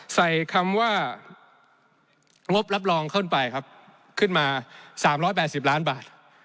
ใส่คำว่างบรับรองขึ้นไปครับขึ้นมา๓๘๐ล้านบาท